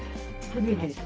初めてです。